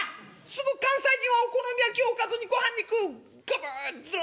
「すぐ関西人はお好み焼きをおかずにごはんを食う。ガブズ」。